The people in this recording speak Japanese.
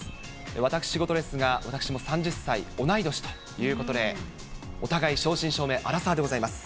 私事ですが、私も３０歳、同い年ということで、お互い正真正銘、アラサーでございます。